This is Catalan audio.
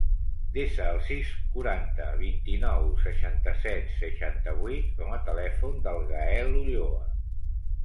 Desa el sis, quaranta, vint-i-nou, seixanta-set, seixanta-vuit com a telèfon del Gael Ulloa.